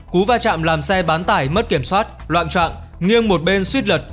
cú va chạm làm xe bán tải mất kiểm soát loạn trạng nghiêng một bên suýt lật